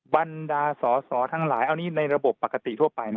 บรรดาสอสอทั้งหลายเอานี่ในระบบปกติทั่วไปนะ